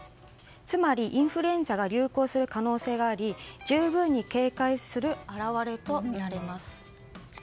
つまり、インフルエンザが流行する可能性があり十分に警戒する表れといわれま。